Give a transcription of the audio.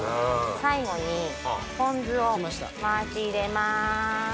最後にポン酢を回し入れます。